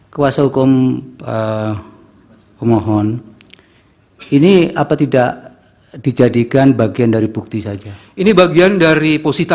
kuasa hukum pemohon ini apa tidak dijadikan bagian dari bukti saja ini bagian dari posisi